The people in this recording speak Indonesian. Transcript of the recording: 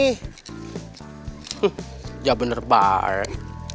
hah dia bener banget